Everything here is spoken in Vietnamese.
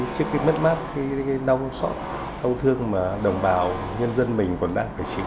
trước khi mất mắt khi đau xót đau thương mà đồng bào nhân dân mình còn đang phải chịu